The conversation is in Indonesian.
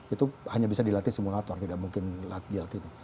itu hanya bisa dilatih simulator tidak mungkin dilatih